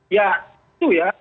ya itu ya